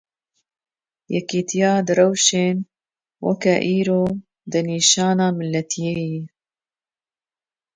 Yekîtîya di rewşên weke îro da nîşana miletîyê ye.